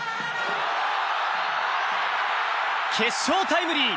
決勝タイムリー！